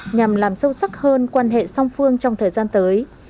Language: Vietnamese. nhằm làm sâu sắc hơn quan hệ song phương trong thời gian tới